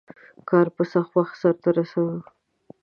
کار په وخت سرته ورسوئ.